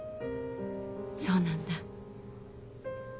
そうなんだ。